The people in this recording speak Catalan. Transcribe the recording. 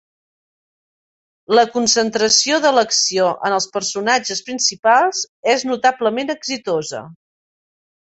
La concentració de l'acció en els personatges principals és notablement exitosa.